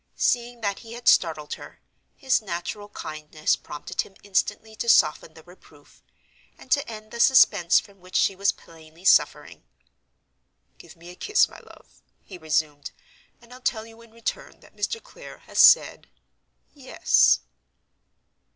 Seeing that he had startled her, his natural kindness prompted him instantly to soften the reproof, and to end the suspense from which she was plainly suffering. "Give me a kiss, my love," he resumed; "and I'll tell you in return that Mr. Clare has said—YES."